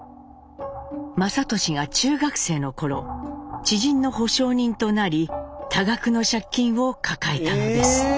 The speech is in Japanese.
雅俊が中学生の頃知人の保証人となり多額の借金を抱えたのです。